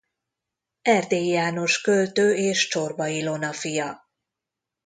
Erdélyi János költő és Csorba Ilona fia.